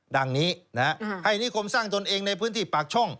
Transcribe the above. ดังนี้นะครับ